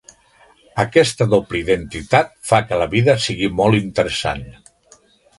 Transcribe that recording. Aquesta doble identitat fa que la vida sigui molt interessant.